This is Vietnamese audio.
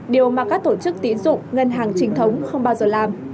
điều mà các tổ chức tín dụng ngân hàng chính thống không bao giờ làm